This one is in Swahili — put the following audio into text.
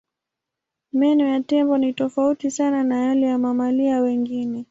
Meno ya tembo ni tofauti sana na yale ya mamalia wengine.